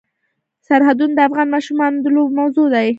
سرحدونه د افغان ماشومانو د لوبو موضوع ده.